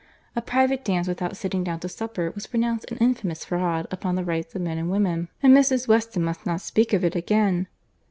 A private dance, without sitting down to supper, was pronounced an infamous fraud upon the rights of men and women; and Mrs. Weston must not speak of it again.